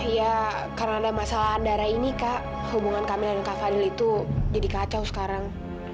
ya karena ada masalah antara ini kak hubungan kamil dan kak fadil itu jadi kacau sekarang